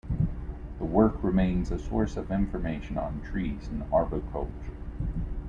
The work remains a source of information on trees and arboriculture.